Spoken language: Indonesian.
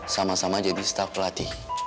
sama sama jadi staff pelatih